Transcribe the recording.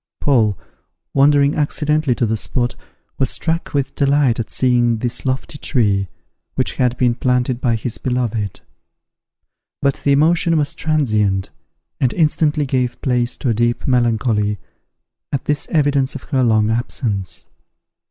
Paul, wandering accidentally to the spot, was struck with delight at seeing this lofty tree, which had been planted by his beloved; but the emotion was transient, and instantly gave place to a deep melancholy, at this evidence of her long absence.